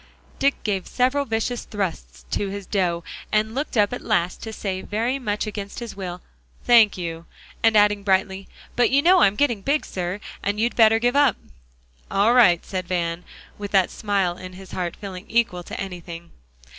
Dick gave several vicious thrusts to his dough, and looked up at last to say very much against his will, "Thank you," and adding brightly, "but you know I'm getting big, sir, and you'd better give up." "All right," said Van, with that smile in his heart feeling equal to anything.